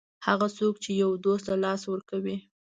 هغه څوک چې یو دوست له لاسه ورکوي.